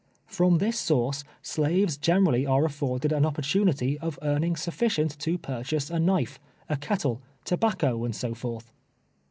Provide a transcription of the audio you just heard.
From this source, slaves generally are afforded an opportunity of earning sufticient to purchase a knife, a kettle, tobacco and so forth.